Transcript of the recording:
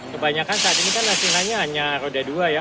kebanyakan saat ini kan racing line nya hanya roda dua ya